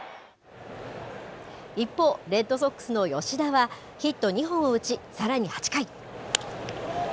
一方、レッドソックスの吉田は、ヒット２本を打ち、さらに８回。